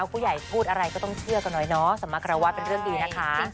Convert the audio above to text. ผู้ใหญ่พูดอะไรก็ต้องเชื่อกันหน่อยเนาะสำหรับเราวาดเป็นเรื่องดีนะคะ